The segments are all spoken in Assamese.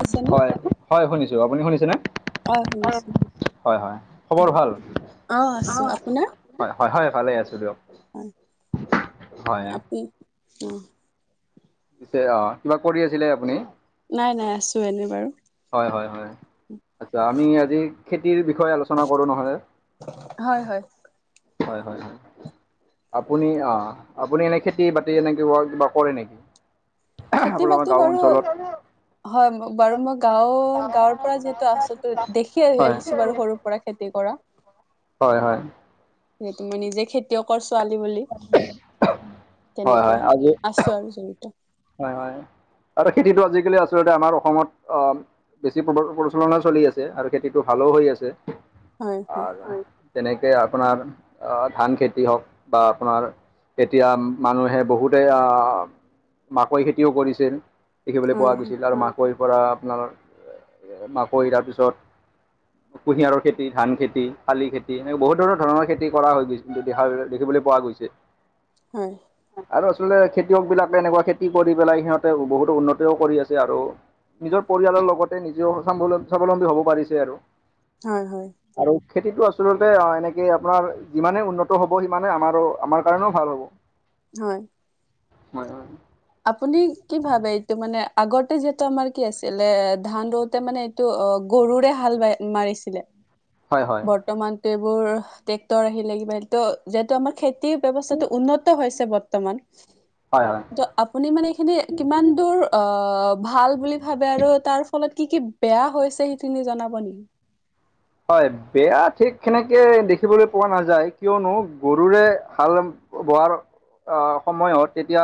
শুনিছেনে? হয়, হয় শুনিছো। আপুনি শুনিছেনে? অ', হয় শুনিছোঁ। হয় হয় খবৰ ভাল? অ অ', আছোঁ। আছো। আপোনাৰ? হয় হয় হয় ভালে আছো দিয়ক। হয় হয় আপনি অ পিছে অ কিবা কৰি আছিলে আপুনি? নাই নাই আছো এনেই বাৰু। হয় হয় হয় আচ্ছা আমি আজি খেতিৰ বিষয়ে আলো- চনা কৰোঁ নহ'লে হয় হয়। হয় হয় হয়। আপুনি অ আপুনি এনে খেতি বাতি এনে কিবা কিবা কৰে নেকি? খেতি আপোনালোকৰ বাতি গাঁও বাৰু অঞ্চলত হয় মোক বাৰু মই- গাওঁৰ গাঁৱৰ পৰা যিহেতু আচোটো দেখি আহি হয় আহিছো বাৰু সৰুৰ পৰা খেতি কৰা। হয় হয় যিহেতু মই নিজে খেতিয়কৰ ছোৱালী বুলি হয় তেনেকে হয় আজি আছ- তাৰো জড়িত। হয় হয় আৰু খেতিটো আজিকালি আচলতে আমাৰ অসমত অ- বেছি প্ৰবল প্ৰলোচননা চলি আছে আৰু খেতিটো ভালও হৈ আছে হয় হয় আৰু তেনেকে আপোনাৰ ধান খেতি হওঁক বা আপোনাৰ এতিয়া মানুহে বহুতেই অ মাকৈ খেতিও কৰিছিল দেখিবলৈ পোৱা হয় গৈছিল আৰু মাক- কৈৰ পৰা আপোনাৰ মাকৈ তাৰপিছত- [unintelligible] কুঁহিয়াৰৰ খেতি ধান খেতি শালি খেতি এনেকৈ বহুত ধৰ ধৰণৰ খেতি কৰা হৈ গৈছিল তো দিহাৰ দেখিবলৈ পোৱা গৈছিল। হয় আৰু আচলতে খেতিয়ক বিলাকে এনেকুৱা খেতি কৰি পেলাই সিহঁতে বহুতো উন্নতিও কৰি আছে আৰু। নিজৰ পৰিয়ালৰ লগতে নিজেও স্বাৱলম স্বাৱলম্বী হ'ব পাৰিছে আৰু। হয় হয় আৰু খেতিটো আচলতে অ এনেকে আপোনাৰ যিমানে উন্নত হ'ব সিমানে আমাৰো আমাৰ কাৰণেওঁ ভাল হ'ব। হয় হয় হয় আপুনি কি ভাবে? যিটো মানে আগতে যিহেতু আমাৰ কি আছিলে ধান ৰোওঁতে মানে এইটো অ গৰুৰে হাল বাই মাৰিছিলে। হয় হয় বৰ্তমানতো এইবোৰ ট্ৰেক্টৰ আহিলে কিবা ত যিহেতু আমাৰ খেত- তিৰ ব্যৱস্থাটো উন্নত হৈছে বৰ্তমান। হয় হয় ত' আপুনি মানে এইখিনি কিমান দূৰ অ ভাল বুলি ভাবে আৰু তাৰ ফলত কি কি বেয়া হৈছে সেই খিনি জনাব নেকি হয় বেয়া ঠিক সেনেকে দেখিবলৈ পোৱা নাযায় কিয়নো গৰুৰে হাল বোৱাৰ আ সময়ত আ তেতিয়া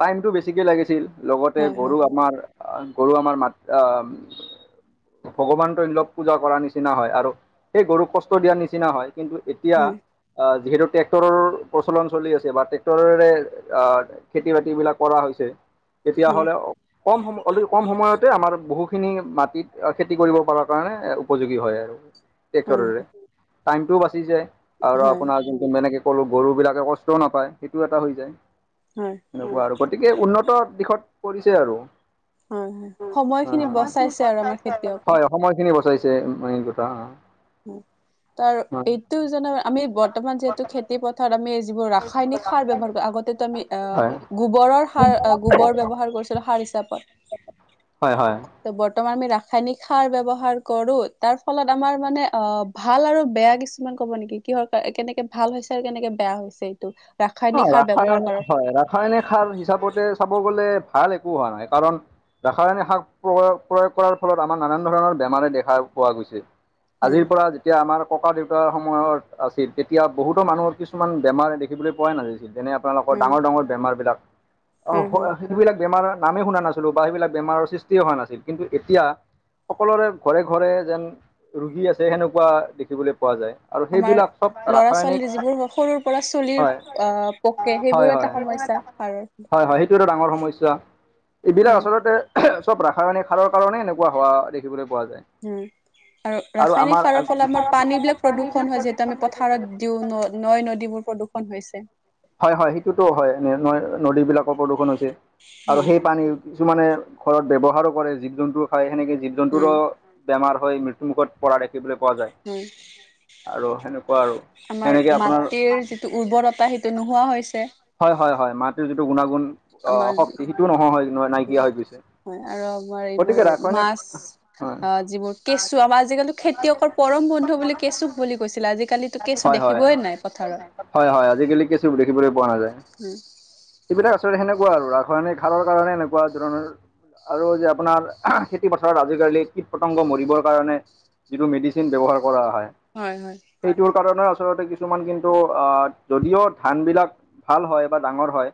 টাইমটো বেছিকে লাগিছিল লগতে হয় হয় গৰু আমাৰ আ গৰু আমাৰ মাত আ ভগৱান তৈল্য পূজা কৰাৰ নিচ নিচিনা হয় আৰু সেই গৰুক কষ্ট দিয়াৰ নিচিনা হয় কিন্তু এতিয়া হয় অ যিহেতু ট্ৰেক্টৰৰো প্ৰচলন চলি আছে বা ট্ৰেক্টৰেৰে আহ খেতি বাতি বিলাক কৰা হৈছে হয় তেতিয়াহলেও কম সময় অতি কম সময়তে আমাৰ বহুখিনি মাটিত খেতি কৰিব পৰাৰ কাৰণে উপযোগী হয় আৰু হয় ট্ৰেক্টৰেৰে টাইমটো বাচি যায় হয় আৰু হয় আপোনাৰ যোনটো সকলো গৰু বিলাকে কষ্টওঁ নাপায় সেইটোও এটা হৈ যায় হয় এনেকুৱা আৰু গতিকে উন্নত দিশত পৰিছে আৰু অ হয় সময় খিনি বচাইছে আৰু আমাৰ খেতিয়কৰ সময় খিনি বচাইছে সিমানে কথা অ তাৰ এইটো জানো আমি বৰ্তমান যিহেতু খেতি যিটো খেতি-পথাৰত খেতি আমি যিবোৰ ৰাসায়নিক পথাৰত সাৰ আমি ব্যৱহাৰ ৰাসায়নিক কৰোঁ আগতেটো সাৰ আমি ব্যৱহাৰ আহ গোবৰৰ সাৰ গোবৰ ব্যৱহাৰ কৰিছিলোঁ সাৰ হিচাপত হয় হয় ত বৰ্তমান আমি ৰাসায়নিক সাৰ ব্যৱহাৰ কৰোঁ তাৰ ফলত আমাৰ মানে অ ভাল আৰু বেয়া কিছুমান কব নেকি কিহৰ কেনেকে ভাল হৈছে আৰু কেনেকে বেয়া হৈছে এইটো অ ৰাসায়নিক সাৰ ব্যৱহাৰ ৰাসায়নিক কৰাৰ ফলত হয় ৰাসায়নিক সাৰ হিচাপতে চাব গলে ভাল একো হোৱা নাই কাৰণ ৰাসায়নিক সাৰ প্ৰয়োগ কৰাৰ ফলত আমাৰ নানান ধৰণৰ বেমাৰে দেখা পোৱা গৈছে উম আজিৰ পৰা যেতিয়া আমাৰ ককাদেউতাৰ সময়ত আছিল তেতিয়া বহুতো মানুহৰ কিছুমান বেমাৰে দেখিবলৈ পোৱাই নাযাইছিল যেনে আপোনালোকৰ উম ডাঙৰ ডাঙৰ বেমাৰ বিলাক উম হম অ সেইবিলাক বেমাৰৰ নামেই শুনা নাছিলোঁ বা সেইবিলাক বেমাৰৰ সৃষ্টিয়ে হোৱা নাছিল কিন্তু এতিয়া সকলোৰে ঘৰে ঘৰে যেন ৰোগী আছে সেনেকুৱা দেখিবলৈ পোৱা যায় আৰু সেইবিলাক চব ৰাসায়নিক ৰাসায়নিক হয় হয় এটা হয় সমস্যা সাৰৰ হয় হয়‌ সেইটো এটা ডাঙৰ সমস্যা এইবিলাক উম আচলতে চব ৰাসায়নিক সাৰৰ কাৰণেই এনেকুৱা হোৱা দেখিবলৈ পোৱা যায় উম আৰু ৰাসায়নিক সাৰৰ ফলত‌ আমাৰ পানী বিলাক প্ৰদূষন হয় যিহেতু আমি পথাৰত দিওঁ নৈ নৈ নদীবোৰ প্ৰদূষণ হৈছে হয় হয় সেইটোতো হয় নৈ নদীবিলাকৰ প্ৰদূষণ হৈছে আৰু উম সেই পানী কিছুমানে ঘৰত ব্যৱহাৰো কৰে, জীৱ-জন্তু খায় সেনেকে জীৱ-জন্তুৰো উম বেমাৰ হয় মৃত্যুমুখত পৰা দেখিবলৈ পোৱা যায় উম আৰু সেনেকুৱা আৰু আমাৰ সেনেকে আপোনাৰ মাটিৰ যিটো উৰ্বৰতা সেইটো নোহোৱা হৈছে। হয় হয় হয় মাটিৰ যিটো গুণাগুণ অহ আমাৰ শক্তি সেইটোও নোহোৱা হৈ ন নাইকিয়া হৈ গৈছে হয় আৰু আমাৰ গতিকে এইবোৰ ৰাসায়নিক মাছ হয় অ যিবোৰ কেঁচু আমাৰ আজিকালিতো খেতিয়কৰ পৰম বন্ধু বুলি কেঁচুক বুলি কৈছিলে আজিকালি হয় হয় হয় হয় আজিকালি কেঁচুক দেখিবলৈ পোৱা নাযায়। উম, এইবিলাক আচলতে সেনেকুৱা আৰু ৰাসায়নিক সাৰৰ কাৰণে এনেকুৱা ধৰণৰ আৰু যে, আপোনাৰ খেতি পথাৰত আজিকালি কীট-পতংগ মৰিবৰ কাৰণে যিবোৰ মেডিচিন ব্যৱহাৰ কৰা হয়। হয়, হয়। সেইটোৰ কাৰণে আচলতে কিছুমান কি, ন্তু আহ যদিও ধান বিলাক ভাল হয় বা ডাঙৰ হয়,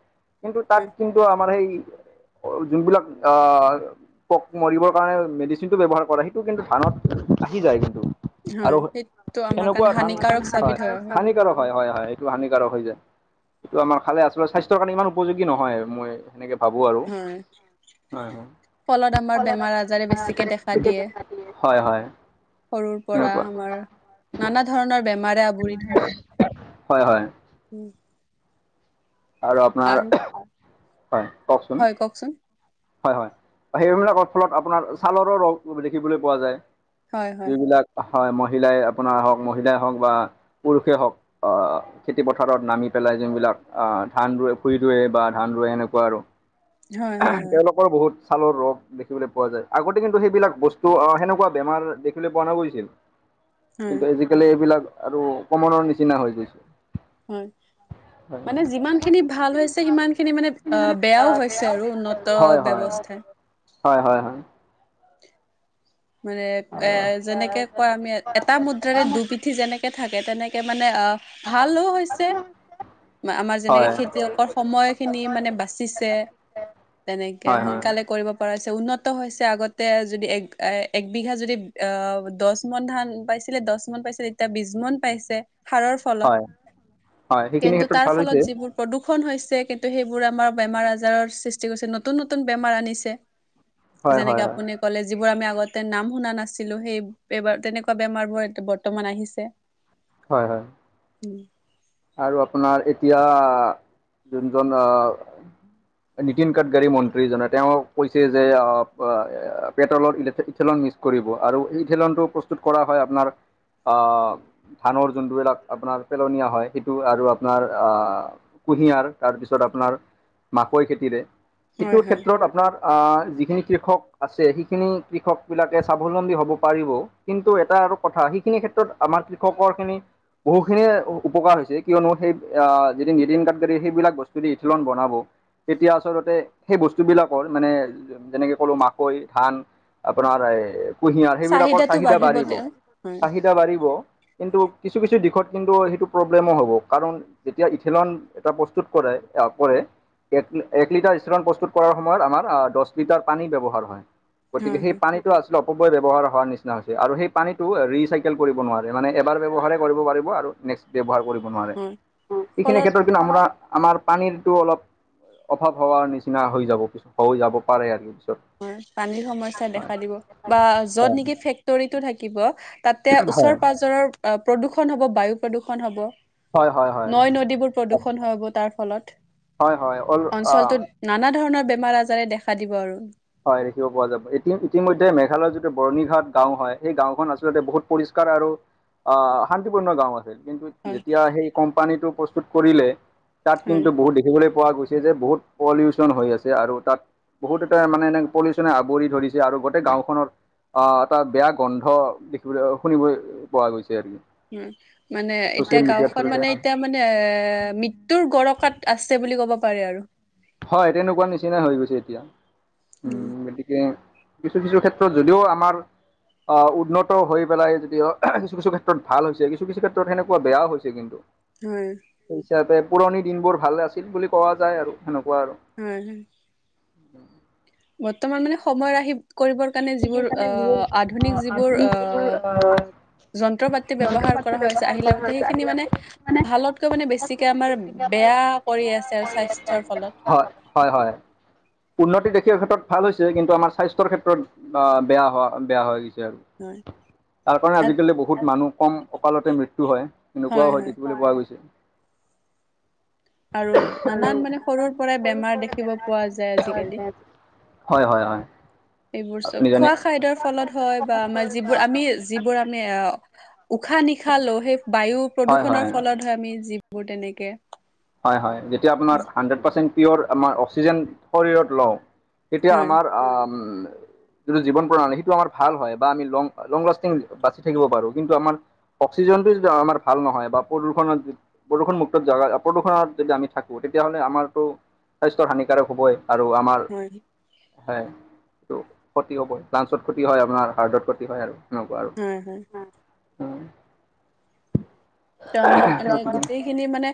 কিন্তু তাত কিন্তু আমাৰ সেই যোনবিলাক আহ পক মৰিবৰ কাৰণে মেডিচিনটো ব্যৱহাৰ কৰে সেইটো কিন্তু ধানত আহি যায় কিন্তু। হয় আৰু সেইটো আমাৰ সেনেকুৱা কাৰণে ধান হানিকাৰক চাবিধ হয়, হানিকাৰক হয়, হয়, হয়, এইটো হানিকাৰক হৈ যায়। এইটো আমাৰ খালে আচলতে স্বাস্থ্যৰ কাৰণে, ইমান উপযোগী নহয়, মই সেনেকে ভাবো আৰু। হয় ফলত আমাৰ বেমাৰ আজাৰে বেছিকে দেখা দিয়ে [unintelligible] হয়, হয়। সৰুৰ পৰা সেনেকুৱা আমাৰ নানা ধৰণৰ বেমাৰে আৱৰি ধৰে। হয়, হয়। উম। আৰু আপোনাৰ, হয়, কওকচোন! হয় কওকচোন! হয়, হয়, সেইবিলাকৰ ফলত আপোনাৰ ছালৰো ৰস দেখিবলৈ পোৱা যায়। হয়, হয়, যিবিলাক হয় মহিলাই আপোনাৰ হওক মহিলাই হওক বা পুৰুষেই হওক খেতি পথাৰত নামি পেলাই যোনবিলাক ধান ৰুৱে ভূঁই ৰুৱে বা ধান ৰুৱে এনেকুৱা আৰু। হয়, হয়, হয়। [unintelligible] বহুত ছালৰ ৰোগ। দেখিবলৈ পোৱা যায়, আগতে কিন্তু সেইবিলাক বস্তু আহ সেনেকুৱা বেমাৰ দেখিবলৈ পোৱা নৈগৈছিল। হয়, কিন্তু আজিকালি এইবিলাক আৰু কমনৰ নিচিনা হৈ গৈছে। হয়। হয় হয়। মানে যিমান খিনি ভাল হৈছে সিমান খিনি মানে অ', বেয়াও হৈছে আৰু উন্নত হয়, হয়, ব্যৱস্থা হয়, হয়, হয়। মানে এ যেনেকে কয় আমি এটা মুদ্ৰাৰে দুপিঠি যেনেকে থাকে, তেনেকে মানে আহ ভালো হৈছে আমাৰ যেনেকে হয়। খেতিয়কৰ সময়খিনি মানে বাচিছে। তেনেকে হয় হয়। সোনকালে কৰিব পৰা হৈছে, উন্নত হৈছে আগতে যদি এক এক বিঘা যদি দহ মোন ধান পাইছিলে দহ মোন পাইছিলে এতিয়া বিছ মোন পাইছে। সাৰৰ ফলত হয় হয় সেইখিনি কিন্তু, ক্ষেত্ৰত তাৰ ভাল ফলত হৈছে যিবোৰ প্ৰদূষণ হৈছে কিন্তু, সেইবোৰ আমাৰ বেমাৰ আজাৰৰ সৃষ্টি কৰিছে। নতুন নতুন বেমাৰ আনিছে। হয় হয় যেনেকে হয় আপুনি ক'লে যি বোৰ আমি আগতে নাম শুনা নাছিলো সেই বোৰ তেনেকুৱা বেমাৰ বোৰ বৰ্তমান আহিছে। [inaudible] হয়, হয়। উম। আৰু আপোনাৰ এতিয়া যোনজন অ' [inaudible] নীতিন গাডকাৰী মন্ত্ৰীজনে তেওঁ কৈছে যে, অ', পেট্ৰলৰ ইথেলন কৰিব আৰু এই ইথেলন প্ৰস্তুত কৰা হয় আপোনাৰ ধানৰ যোনটোবিলাক আপোনাৰ পেলনীয়া হয়, সেই টো আৰু আপোনাৰ কুঁহিয়াৰ তাৰপিছত আপোনাৰ মাকৈ খেতিৰে। হয় সেইটো হয়। ক্ষেত্ৰত আপোনাৰ অ', যিখিনি কৃষক আছে সেইখিনি কৃষকবিলাকে স্বাৱলম্বী হ'ব পাৰিব। কিন্তু এটা আৰু কথা, সেইখিনি ক্ষেত্ৰত আমাৰ কৃষকখিনিৰ বহুখিনিয়ে উপকাৰ হৈছে। কিয়নো সেই যদি নীতিন থাকিব দিয়ে, সেইবিলাক বস্তু দি ইথিলন বনাব। এতিয়া আচলতে, সেই বস্তুবিলাকৰ মানে যেনেকৈ ক'লোঁ মাকৈ, ধান আপোনাৰ এই কুঁহিয়াৰ। সেইবিলাকৰ চাহিদাটো চাহিদা বাঢ়িব, তে হয় হয় চাহিদ দা বাঢ়িব, কিন্তু কিছু কিছু দিশত কিন্তু সেইটো প্ৰব্লেমো হ'ব। কাৰণ যেতিয়া ইথেলন এটা প্ৰস্তুত কৰে এক লি, এক লিটাৰ ইথানল প্ৰস্তুত কৰাৰ সময়ত, আমাৰ দহ লিটাৰ পানী ব্যৱহাৰ হয়। গতিকে সেই হয় পানীত আছিল অপব্যয় ব্যৱহাৰ হোৱাৰ নিচিনা হৈছে আৰু সেই পানীটো ৰিচাইকেল কৰিব নোৱাৰে। মানে এবাৰ ব্যৱহাৰে কৰিব পাৰিব আৰু নেক্সট ব্যৱহাৰ কৰিব নোৱাৰে। উম। এইখিনিৰ ক্ষেত্ৰত কিন্তু আমাৰ আমাৰ পানীৰতো অলপ অভাৱ হোৱাৰ নিচিনা হৈ যাব পিছত, হৈ যাব পাৰে আৰু পিছত। হয়, পানী সমস্যা হয় দেখা দিব বা য'ত নেকি ফেক্টৰীটো থাকিব তাতে হয় ওচৰ-পাজৰৰ প্ৰদূৰ্ষণ হ'ব, বায়ু প্ৰদূৰ্ষণ হ'ব, হয় হয় হয় নৈ নদীবোৰ প্ৰদূষণ হ'ব তাৰ ফলত। হয় হয় হ'লেও হয় অঞ্চলটোত নানা ধৰণৰ বেমাৰ-আজাৰে দেখা দিব আৰু। হয় দেখিব পোৱা যাব। এতিয়া ইতিমধ্যে মেঘালয়ৰ যিটো বৰণিঘাট গাঁও হয়, সেই গাঁওখন আচলতে বহুত পৰিষ্কাৰ আৰু আঁহ শান্তিপূৰ্ণ গাঁও আছিল, কিন্তু হয় যেতিয়া সেই কোম্পানীটো প্ৰস্তুত কৰিলে, তাত হয় কিন্তু বহুত দেখিবলৈ পোৱা গৈছে। এইযে বহুত পলিউচন হৈ আছে আৰু তাত বহুতে মানে এনে পলিউচনে আৱৰি ধৰিছে আৰু গোটেই গাঁওখনত অহ' তাত বেয়া গোন্ধ দেখিবলৈ, শুনিব পোৱা গৈছে আৰু। উম মানে, এতিয়া ছ'চিয়েল মিডিয়াৰ গাঁওখন থ্ৰুতে মানে, এতিয়া মানে এ মৃত্যুৰ গৰকাত আছে বুলি ক'ব পাৰি আৰু। হয়, তেনেকুৱা নিচিনাই হৈ গৈছে এতিয়া, উম গতিকে কিছু কিছু ক্ষেত্ৰত যদিও আমাৰ অ' উন্নত হৈ পেলাই যদি কিছু কিছু ক্ষেত্ৰত ভাল হৈছে, কিছু কিছু ক্ষেত্ৰত সেনেকুৱা বেয়াও হৈছে কিন্তু উম। সেই হিচাপে পুৰণি দিন বোৰ ভাল আছিল বুলি কোৱা যায় আৰু সেনেকুৱা আৰু। উম, উম। বৰ্তমান মানে সময় আৰ্হি, কৰিবৰ কাৰণে যিবোৰ আহ' আধুনিক, যিবোৰ আহ' যন্ত্ৰ পাতি ব্যৱহাৰ কৰা হৈছে আহিলা মতে, সেইখিনি মানে ভালতকৈ মানে বেছিকে, আমাৰ বেয়া কৰি আছে, স্বাস্থ্যৰ হয় ফলত। হয়, হয় উন্নতি দেখাৰ ক্ষেত্ৰত ভাল হৈছে, কিন্তু আমাৰ স্বাস্থ্যৰ ক্ষেত্ৰত আঁহ' বেয়া হোৱা, বেয়া হৈ গৈছে আৰু হয় তাৰ কাৰণে আ- আজিকালি বহুত মানুহ কম অকালতে মৃত্যু হয়। এনেকুৱাও হয়, দেখিবলৈ পোৱা গৈছে। আৰু আৰু নানান নানান সৰু মানে সৰুৰ পৰা পৰাই বেমাৰ দেখিব পোৱা আজিকালি যায়, আজি হয়, হয়, হয়। এইবোৰ চব আপুনি জানে? খোৱা খাদ্যৰ ফলত হয় বা আমাৰ যিবোৰ, আমি যিবোৰ, আমি আহ' উশাহ নিশাহ লওঁ, সেই বায়ু হয় হয়। প্ৰদূষণৰ ফলত হয়। আমি যিবোৰ তেনেকে হয় হয় যেতিয়া আপোনাৰ হাণ্ড্ৰেড পাৰ্চেণ্ট পিয়'ৰ, আমাৰ অক্সিজেন শৰীৰত লওঁ এতিয়া হয় আমাৰ আ-আম যিটো জীৱন প্ৰণালী সেইটো আমাৰ ভাল হয় বা আমি লং-লং লাষ্টিং বাচি থাকিব পাৰো, কিন্তু আমাৰ অক্সিজেনটো যদি আমাৰ ভাল নহয় বা প্ৰদূষণত-প্ৰদূষণমুক্ত জাগা আ প্ৰদূষণত যদি আমি থাকোঁ, তেতিয়াহ'লে আমাৰতো স্বাস্থ্যৰ হানিকাৰক হ'বই আৰু আমাৰ হয় হয়, টো ক্ষতি হ'ব। লাঞ্চত ক্ষতি হয় আপোনাৰ, হাৰ্টত ক্ষতি হয়। আৰু সেনেকুৱা আৰু। হয়, হয়। ত আমাৰ মানে গোটেইখিনি মানে,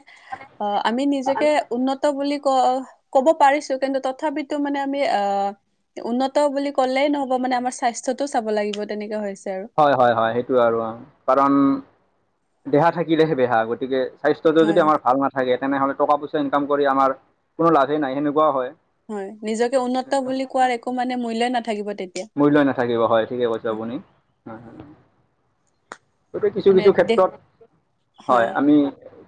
অ', আমি নিজকে উন্নত বুলি কওঁ। ক'ব পাৰিছো কিন্তু তথাপিতো মানে আমি আ উন্নত বুলি ক'লেই নহ'ব মানে আমাৰ স্বাস্থ্যটো চাব লাগিব তেনেকা হৈছে আৰু। হয় হয় হয়, সেইটো আৰু অ', কাৰণ দেহা থাকিলেহে বেহা। গতিকে স্বাস্থ্যটো যদি হয় হয় আমাৰ ভাল ন থাকে তেনেহ'লে টকা পইছা ইনকাম কৰি আমাৰ কোনো লাভেই নাই, সেনেকুৱাও হয়। হয়। নিজকে উন্নত বুলি কোৱাৰ একো মানে মূল্যই নাথাকিব তেতিয়া। মূল্যই নাথাকিব হয়। ঠিকে কৈছে আপুনি। [inaudible] গতিকে কিছু মানে কিছু দেশ ক্ষেত্ৰত, হয় আমি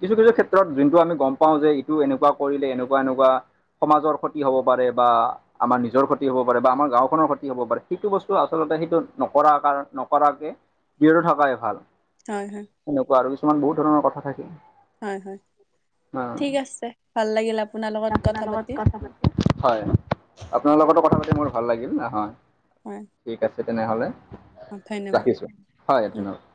কিছু কিছু ক্ষেত্ৰত যিনটো আমি গম পাওঁ যে, এইটো এনেকুৱা কৰিলে, এনেকুৱা এনেকুৱা সমাজৰ ক্ষতি হ'ব পাৰে বা আমাৰ নিজৰ ক্ষতি হ'ব পাৰে বা আমাৰ গাঁওখনৰ ক্ষতি তি হ'ব পাৰে, সেইটো বস্তু আচলতে সেইটো নকৰা-কাৰ-নকৰাকে [unintelligible] থকাই ভাল। হয় হয়। সেনেকুৱা আৰু কিছুমান বহুত ধৰণৰ কথা থাকে। হয় হয় অ', ঠিক আছে লাগিল আপোনাৰ ভাল লগত লাগিল কথা আপোনাৰ পাতি লগত কথা পাতি। হয়, আপোনাৰ লগতো কথা পাতি মোৰ ভাল লাগিল। ন', হয়। হয়। ঠিক আছে তেনেহ'লে, অ, ধন্যবাদ। ৰাখিছোঁ। হয়, ধন্যবাদ।